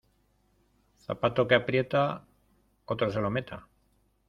Zapato que aprieta, otro se lo meta.